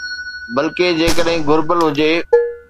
بلڪه، جيڪڏهن گهربل هجي